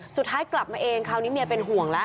สุดท้ายกลับมาเองคราวนี้เมียเป็นห่วงแล้ว